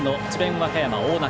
和歌山、大仲。